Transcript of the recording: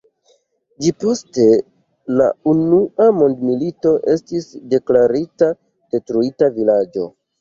Ĝi post la Unua mondmilito estis deklarita "detruita vilaĝo".